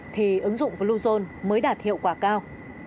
thì ứng dụng bluezone mới đạt hiệu quả cao